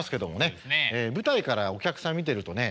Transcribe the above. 舞台からお客さん見てるとね